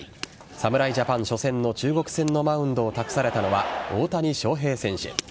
侍ジャパン初戦の中国戦のマウンドを託されたのは大谷翔平選手。